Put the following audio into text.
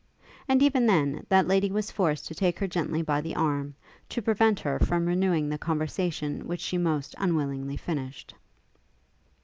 And, even then, that lady was forced to take her gently by the arm, to prevent her from renewing the conversation which she most unwillingly finished.